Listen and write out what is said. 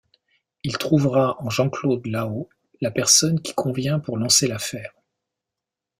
Il trouvera en Jean Claude Lahaut la personne qui convient pour lancer l'affaire.